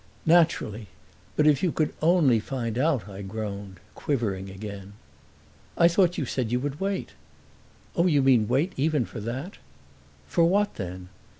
"Naturally. But if you could only find out!" I groaned, quivering again. "I thought you said you would wait." "Oh, you mean wait even for that?" "For what then?"